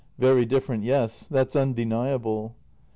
Very different, yes. That's undeniable.